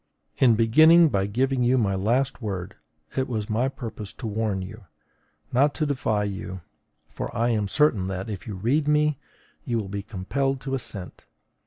In beginning by giving you my last word, it was my purpose to warn you, not to defy you; for I am certain that, if you read me, you will be compelled to assent.